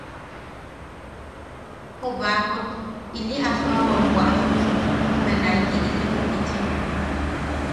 Ju baakot ili asoawam bwaʼasuk, jume naiki ili wikitchim.